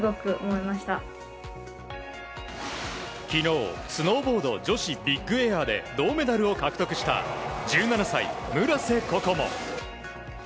昨日、スノーボード女子ビッグエアで銅メダルを獲得した１７歳、村瀬心椛。